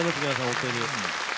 本当に。